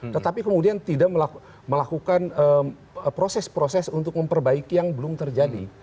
tetapi kemudian tidak melakukan proses proses untuk memperbaiki yang belum terjadi